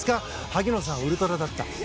萩野さん、ウルトラだった。